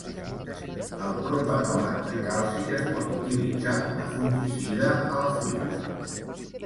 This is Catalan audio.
El propanoat de calci es pot utilitzar com a fungicida a la fruita.